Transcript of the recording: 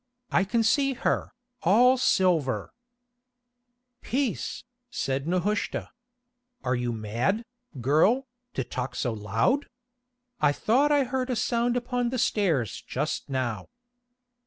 I can see her, all silver——" "Peace," said Nehushta. "Are you mad, girl, to talk so loud? I thought I heard a sound upon the stairs just now."